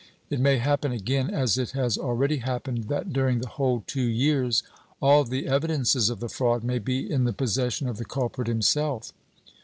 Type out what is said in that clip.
It may happen again, as it has already happened, that during the whole two years all the evidences of the fraud may be in the possession of the culprit himself.